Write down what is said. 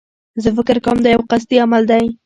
زه فکر کوم دایو قصدي عمل دی.